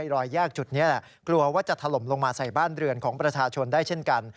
รอยแยกจุดนี้แหละกลัวว่าจะถล่มลงมาใส่บ้านเรือนของประชาชนได้เช่นกัน